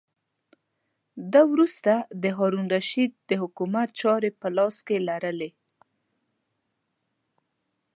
ده وروسته د هارون الرشید د حکومت چارې په لاس کې لرلې.